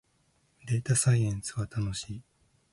データサイエンスは楽しい